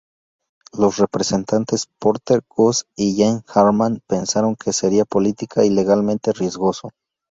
Los representantes Porter Goss y Jane Harman pensaron que sería política y legalmente riesgoso.